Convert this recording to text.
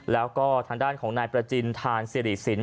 แล้วก็ทางด้านของนายประจินทานสิริสิน